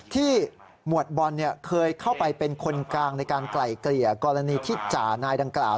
หมวดบอลเคยเข้าไปเป็นคนกลางในการไกล่เกลี่ยกรณีที่จ่านายดังกล่าว